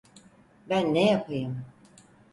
Ben ne yapayım?